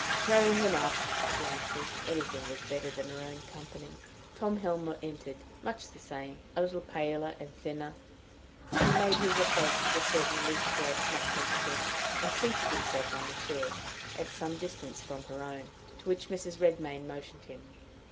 "Show him up," she answered: anything was better than her own company. Tom Helmer entered much the same a little paler and thinner. He made his approach with a certain loose grace natural to him, and seated himself on the chair, at some distance from her own, to which Mrs. Redmain motioned him.